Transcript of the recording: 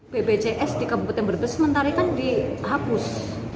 bpjs di kabupaten brebes sementara ini kan dihapus